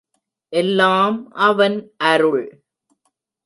எல்லாம் அவன் அருள்!